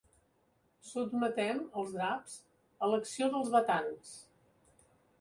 Sotmetem els draps a l'acció dels batans.